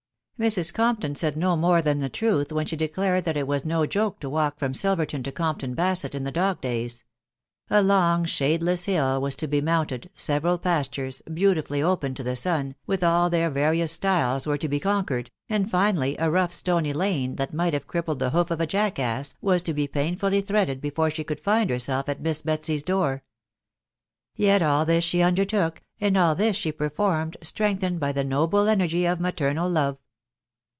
Mrs. Compton said no more than the truth, when she de clared that it was no joke to walk from Silverton to Comptan Basett in the dog days. A long shadeless hill was to be mounted, several pastures, beautifully open to the sun, with all their various stiles, were to be conquered, and finally a rough stony lane, that might have crippled the hoof of a jackass, was to be painfully threaded before she could find herself at Miss Betsy's door. Yet all this she undertook, and all tills she performed, strengthened by the noble energy of maternal love.